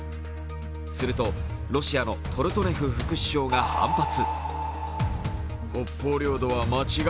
すると、ロシアのトルトネフ副首相が反発。